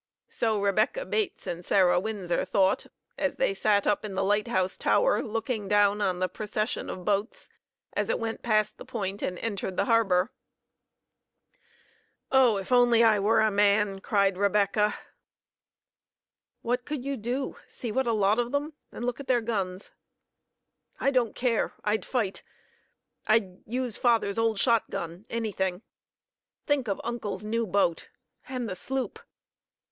So Rebecca Bates and Sarah Winsor thought, as they sat up in the light house tower looking down on the procession of boats as it went past the point and entered the harbor. "Oh! If I only were a man!" cried Rebecca. "What could you do? See what a lot of them; and look at their guns!" "I don't care. I'd fight. I'd use father's old shotgun anything. Think of uncle's new boat and the sloop!"